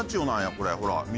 これほら緑。